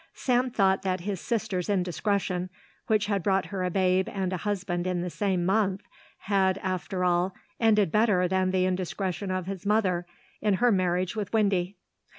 Sam thought that his sister's indiscretion, which had brought her a babe and a husband in the same month had, after all, ended better than the indiscretion of his mother in her marriage with Windy.